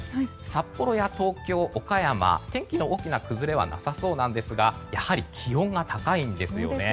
札幌や東京、岡山は天気の大きな崩れはなさそうなんですがやはり気温が高いんです。